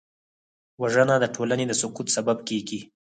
وژنه د ټولنې د سقوط سبب کېږي